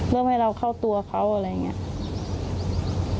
เริ่มให้เราเข้าตัวเขาอะไรอย่างนี้